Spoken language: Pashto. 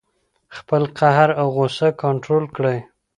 خپل قهر او غوسه کنټرول کړئ.